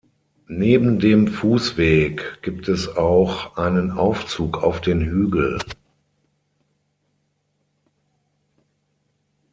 Neben dem Fußweg gibt es auch einen Aufzug auf den Hügel.